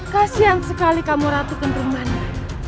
kasian sekali kamu ratukan permainan